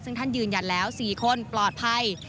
ซึ่งท่านยืนยันแล้ว๔คนปลอดภัย